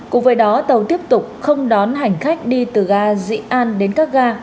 cùng với đó tàu tiếp tục không đón hành khách đi từ ga dị an đến các ga